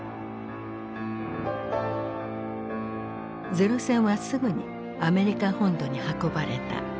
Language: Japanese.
零戦はすぐにアメリカ本土に運ばれた。